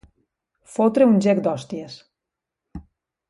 Fotre un gec d'hòsties.